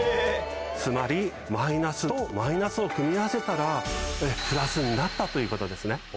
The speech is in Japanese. つまりマイナスとマイナスを組み合わせたらプラスになったということですね。